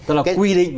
tức là quy định về